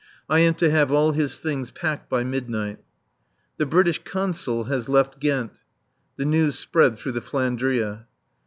I am to have all his things packed by midnight. The British Consul has left Ghent. The news spread through the "Flandria."